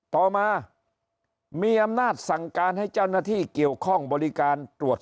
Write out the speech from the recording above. ต่อมามีอำนาจสั่งการให้เจ้าหน้าที่เกี่ยวข้องบริการตรวจ